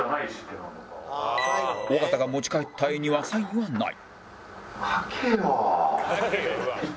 尾形が持ち帰った画にはサインはない